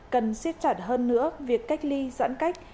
cần siết chặt hơn nữa việc cách ly giãn cách